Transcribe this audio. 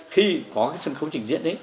khi có sân khấu trình diễn